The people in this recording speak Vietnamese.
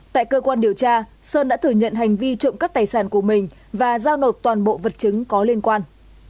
tại cơ quan điều tra sơn đã thừa nhận hành vi trộm cắp tài sản của mình và giao nộp toàn bộ vật chứng có liên quan